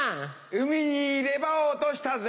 海に入れ歯落としたぜ。